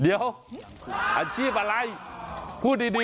เดี๋ยวอาชีพอะไรพูดดี